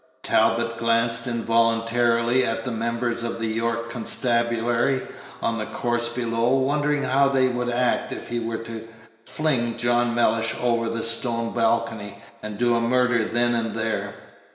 Talbot glanced involuntarily at the members of the York constabulary on the course below, wondering how they would act if he were to fling John Mellish over the stone balcony, and do a murder then and there.